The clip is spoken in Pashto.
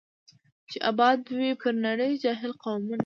چي آباد وي پر نړۍ جاهل قومونه